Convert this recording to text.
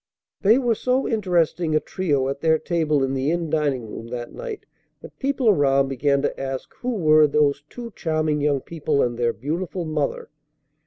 They were so interesting a trio at their table in the inn dining room that night that people around began to ask who were those two charming young people and their beautiful mother.